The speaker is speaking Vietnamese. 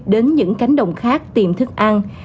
đến những cánh đồng khác tìm thức ăn